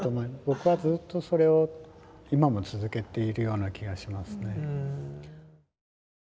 僕はずっとそれを今も続けているような気がしますね。